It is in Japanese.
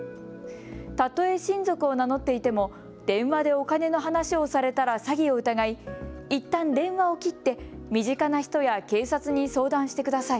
たとえ親族を名乗っていても電話でお金の話をされたら詐欺を疑い、いったん電話を切って身近な人や警察に相談してください。